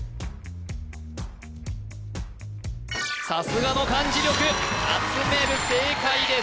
さすがの漢字力あつめる正解です！